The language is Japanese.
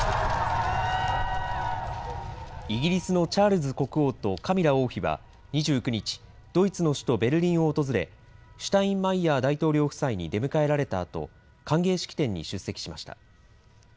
イギリスのチャールズ国王とカミラ王妃は２９日、ドイツの首都ベルリンを訪れシュタインマイヤー大統領夫妻に出迎えられたあと歓迎式典に出席しました。